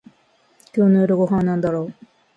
今日の夜ご飯はなんだろう